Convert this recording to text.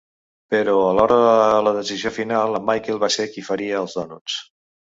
Però, a l'hora de la decisió final, en Michael va ser qui faria els dònuts.